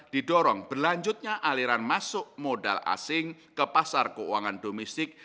didorong berlanjutnya aliran masuk modal asing ke pasar keuangan domestik